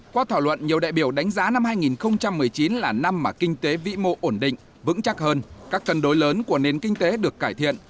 qua thảo luận nhiều đại biểu đánh giá năm hai nghìn một mươi chín là năm mà kinh tế vĩ mô ổn định vững chắc hơn các cân đối lớn của nền kinh tế được cải thiện